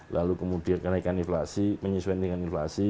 lalu kemudian kenaikan inflasi menyesuaian dengan inflasi